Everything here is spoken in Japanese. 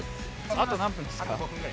あと何分ですか？